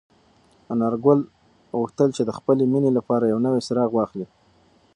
انارګل غوښتل چې د خپلې مېنې لپاره یو نوی څراغ واخلي.